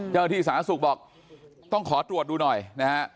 เจ้าหน้าที่สาธารณสุขบอกต้องขอตรวจดูหน่อยนะฮะ